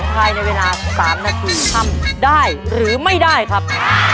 ภายในเวลา๓นาทีทำได้หรือไม่ได้ครับ